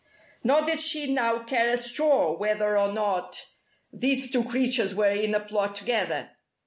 Nor did she now care a straw whether or not these two creatures were in a plot together.